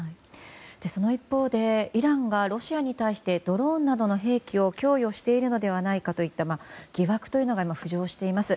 その一方でイランがロシアに対してドローンなどの兵器を供与しているのではないかという疑惑というのが浮上しています。